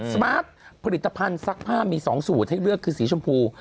สมาร์ทผลิตภัณฑ์ซักผ้ามี๒สูตรให้เลือกคือสีชมพู